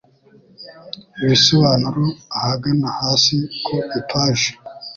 Ibisobanuro ahagana hasi ku ipaji